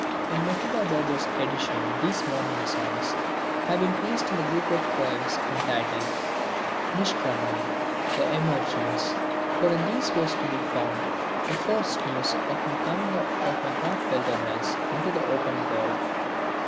In Mohita Babu's edition these Morning Songs have been placed in the group of poems entitled Nishkraman, The Emergence. For in these was to be found the first news of my coming out of the Heart Wilderness into the open world.